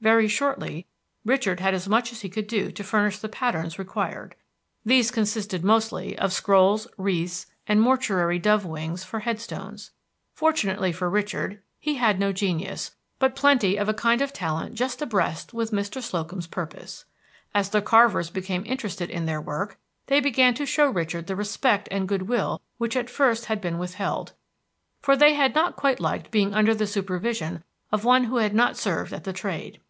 Very shortly Richard had as much as he could do to furnish the patterns required. These consisted mostly of scrolls, wreaths, and mortuary dove wings for head stones. Fortunately for Richard he had no genius, but plenty of a kind of talent just abreast with Mr. Slocum's purpose. As the carvers became interested in their work, they began to show Richard the respect and good will which at first had been withheld, for they had not quite liked being under the supervision of one who had not served at the trade.